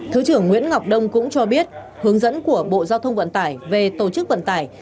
thứ trưởng nguyễn ngọc đông cũng cho biết hướng dẫn của bộ giao thông vận tải về tổ chức vận tải